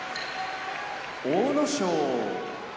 阿武咲